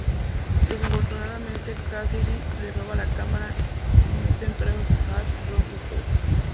Desafortunadamente Cassidy les roba la cámara y meten presos a Ash, Brock y Todd.